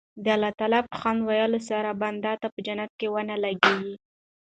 د الله تعالی په حمد ويلو سره بنده ته په جنت کي وَنه ناليږي